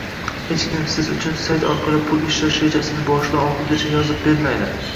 Hech kim Siz uchun sayt orqali pul ishlash rejasini boshidan oxirigacha yozib bermaydi